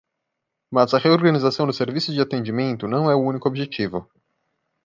Mas a reorganização dos serviços de atendimento não é o único objetivo.